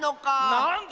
なんだ。